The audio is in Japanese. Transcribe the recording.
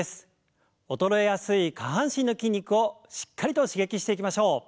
衰えやすい下半身の筋肉をしっかりと刺激していきましょう。